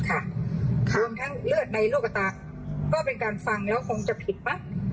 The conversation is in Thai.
รวมทั้งเลือดในโลกตาก็เป็นการฟังแล้วคงจะผิดมั้ง